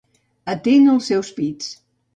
Atent als seus pits.